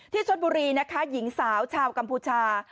ชนบุรีนะคะหญิงสาวชาวกัมพูชา